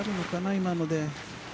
今ので。